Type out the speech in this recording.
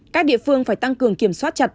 các địa phương phải tăng cường kiểm soát chặt